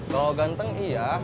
kalau ganteng iya